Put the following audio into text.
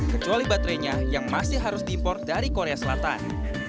kecuali baterainya yang masih harus diimpor dari korea selatan